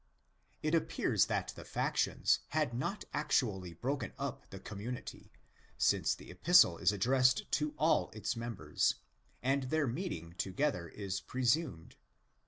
It appears that the factions had not actually broken up the community, since the Epistle is addressed to all its members, and their meeting together is presumed.